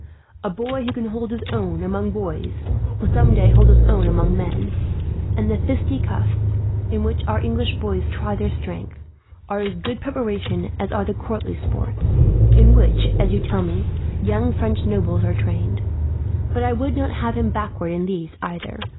A boy who can hold his own, among boys, will some day hold his own among men; and the fisticuffs, in which our English boys try their strength, are as good preparation as are the courtly sports; in which, as you tell me, young French nobles are trained. But I would not have him backward in these, either.